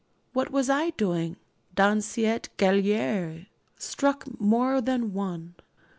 What was I doing dans cette galère struck more than one.